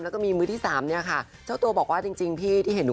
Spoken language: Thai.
แล้วก็มีมือที่สามเนี่ยค่ะเจ้าตัวบอกว่าจริงจริงพี่ที่เห็นหนู